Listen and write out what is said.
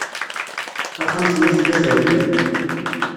Taxxamt-nni tella terwi.